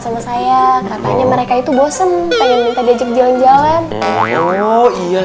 sama saya malleo mereka itu bosan tapi minta diajak jalan jalan